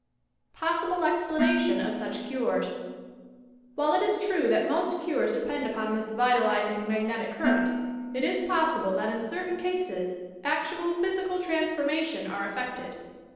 POSSIBLE EXPLANATION OP SUCH CUBES While it is true that most cures depend upon this vitalizing magnetic current, it is possible that in certain cases, actual physical transformations are effected.